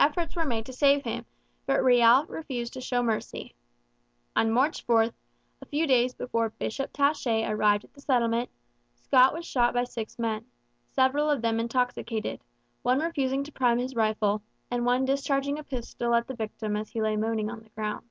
Efforts were made to save him, but Riel refused to show mercy. On March 4, a few days before Bishop Taché arrived at the settlement, Scott was shot by six men, several of them intoxicated, one refusing to prime his rifle, and one discharging a pistol at the victim as he lay moaning on the ground.